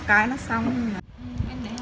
đây này đây nó bị